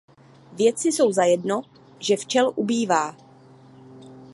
Vědci jsou zajedno, že včel ubývá.